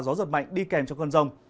và gió giật mạnh đi kèm cho cơn rông